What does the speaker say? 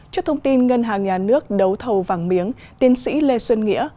trước thông tin ngân hàng nhà nước đấu thầu vàng miếng tiến sĩ lê xuân nghĩa